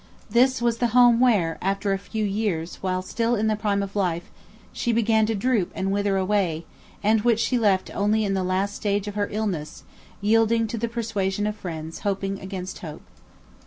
This was the home where, after a few years, while still in the prime of life, she began to droop and wither away, and which she left only in the last stage of her illness, yielding to the persuasion of friends hoping against hope.